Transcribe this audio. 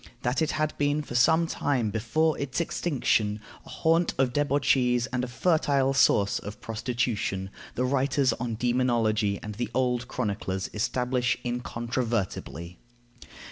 That it had been for some time before its extinction a haunt of debauchees and a fertile source of prostitution, the writers on demonology and the old chroniclers establish incontrovertibly.